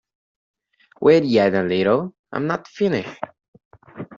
Wait yet a little. I am not finished.